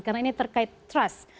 karena ini terkait trust